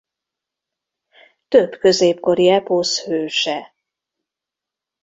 Több középkori eposz hőse.